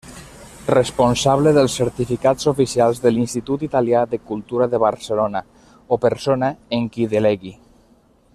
Responsable dels certificats oficials de l'Institut Italià de Cultura de Barcelona, o persona en qui delegui.